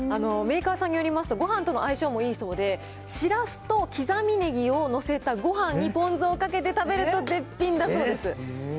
メーカーさんによりますと、ごはんとの相性もいいそうで、しらすと刻みねぎを載せたごはんにポン酢をかけて食べると絶品だそうです。